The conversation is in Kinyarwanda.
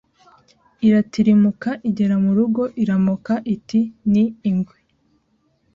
iratirimuka igera mu rugo iramoka iti ni ingwe